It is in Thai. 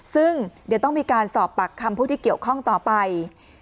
ซึ่งเดี๋ยวต้องมีการสอบปากคำผู้ที่เกี่ยวข้องต่อไป